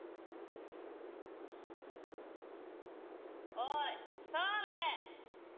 おい、澤部！